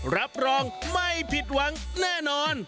รับรองไม่ผิดหวังแน่นอน